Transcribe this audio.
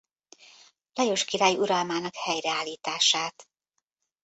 Lajos király uralmának helyreállítását.